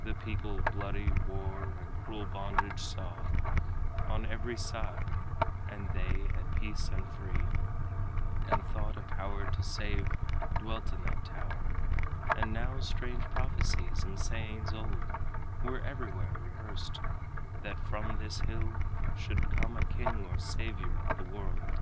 The people bloody war and cruel bondage saw On every side, and they at peace and free, And thought a power to save dwelt in that tower. And now strange prophecies and sayings old Were everywhere rehearsed, that from this hill Should come a king or savior of the world.